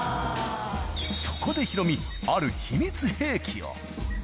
そこでヒロミ、ある秘密兵器を。